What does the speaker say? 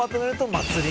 祭り！